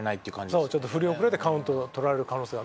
ちょっと振り遅れてカウント取られる可能性がある。